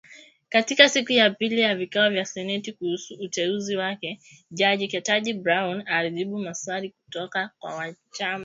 Katika siku ya pili ya vikao vya seneti kuhusu uteuzi wake , jaji Ketanji Brown , alijibu maswali kutoka kwa wanachama.